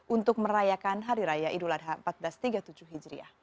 untuk merayakan hari raya idul adha seribu empat ratus tiga puluh tujuh hijriah